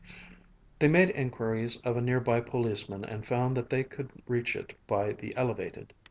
They made inquiries of a near by policeman and found that they could reach it by the elevated.